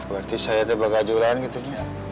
berarti saya yang parah gajulan gitu ya